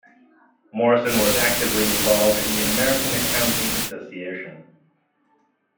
Morrison was actively involved in the American Accounting Association.